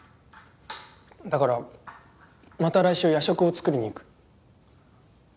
だからまた来週夜食を作りに行く。